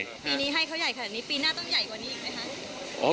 ปีนี้ให้เขาใหญ่ขนาดนี้ปีหน้าต้องใหญ่กว่านี้อีกไหมคะ